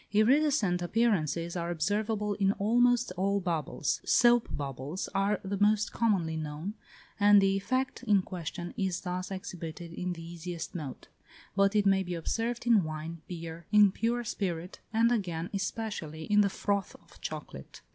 Iridescent appearances are observable in almost all bubbles; soap bubbles are the most commonly known, and the effect in question is thus exhibited in the easiest mode; but it may be observed in wine, beer, in pure spirit, and again, especially, in the froth of chocolate.